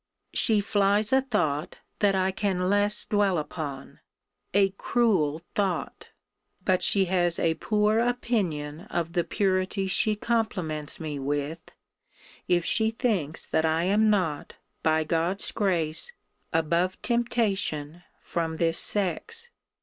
She flies a thought, that I can less dwell upon a cruel thought but she has a poor opinion of the purity she compliments me with, if she thinks that I am not, by God's grace, above temptation from this sex.